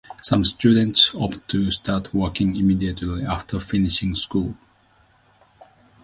Some students opt to start working immediately after finishing school.